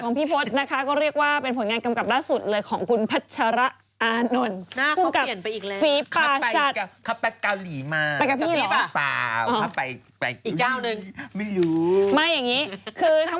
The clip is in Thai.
พี่พศนะคะก็เรียกว่าเป็นผลงานกำกับล่าสุดเลยของคุณพัชระอานนท์